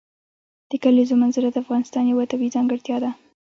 د کلیزو منظره د افغانستان یوه طبیعي ځانګړتیا ده.